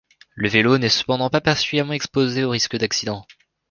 Le vélo n'est cependant pas particulièrement exposé aux risques d'accidents.